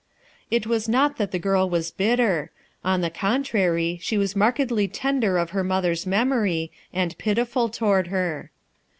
It was not that the girl was hitter; on the contrary she Was markedly tender of her mother's memory and pitiful toward her.